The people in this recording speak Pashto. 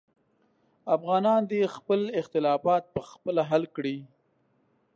افغانان دې خپل اختلافات پخپله حل کړي.